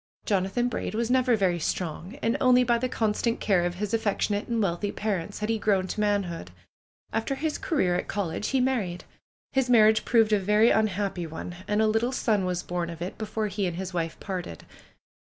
Jonathan Braid was never very strong, and only by the constant care of his affectionate and wealthy par ents had he grown to manhood. After his career at col lege he married. His marriage proved a very unhappy one. And a little son was born of it before he and his wife parted.